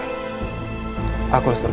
tapi siapa yang berhati hati